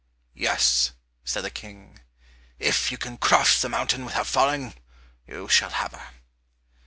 "Yes," said the King; "if you can cross the mountain without falling, you shall have her."